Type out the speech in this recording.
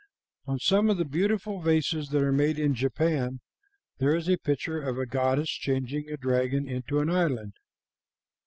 On some of the beautiful vases that are made in Japan there is a picture of a goddess changing a dragon into an island.